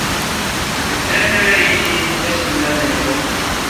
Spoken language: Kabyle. D Dan ara yilin d aselmad-nwent.